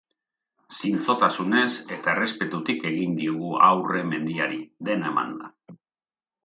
Zintzotasunez eta errespetutik egin diogu aurre mendiari, dena emanda.